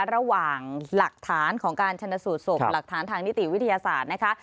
ระหว่างหลักฐานของการชนสูตรศพหลักฐานทางนิติวิทยาศาสตร์นะคะ